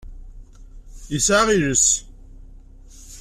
Yesɛa iles.